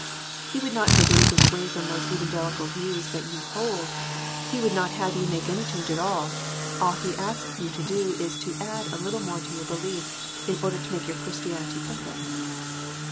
He would not take any thing away from those Evangelical views that you hold ; he would not have you make any change at all \ all he asks you to do is to add a little more to your belief, in order to make your Christianity perfect.